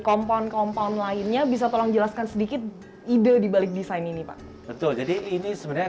kompon kompon lainnya bisa tolong jelaskan sedikit ide dibalik desain ini pak betul jadi ini sebenarnya